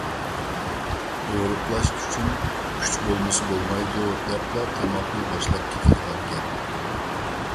ئورۇقلاش ئۈچۈن كۈچ بولمىسا بولمايدۇ، دەپلا تاماقنى باشلاپ كېتىدىغان گەپ.